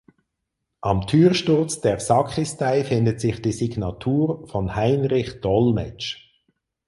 Am Türsturz der Sakristei findet sich die Signatur von Heinrich Dolmetsch.